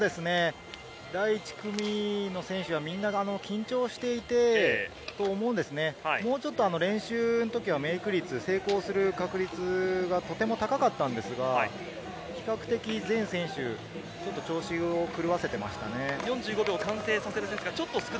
第１組の選手はみんな緊張していて、もうちょっと練習の時はメイク率、成功する確率が高かったのですが、比較的、全選手、調子を狂わせていましたね。